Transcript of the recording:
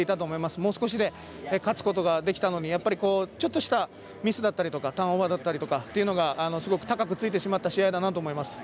もう少しで勝つことができたのにやっぱり、ちょっとしたミスだったりとかターンオーバーだったりとかがすごく高くついてしまった試合だったと思います。